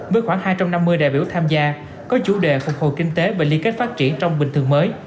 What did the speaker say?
với khoảng hai trăm năm mươi đại biểu tham gia có chủ đề phục hồi kinh tế và liên kết phát triển trong bình thường mới